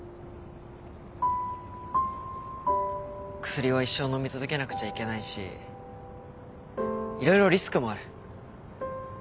薬は一生飲み続けなくちゃいけないし色々リスクもある。